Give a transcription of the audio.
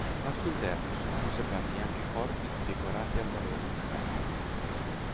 Al suo interno sono conservati anche corpi di decorati al valor militare.